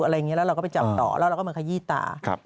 แล้วเราก็ไปจับต่อแล้วเราก็มาขยี้ตา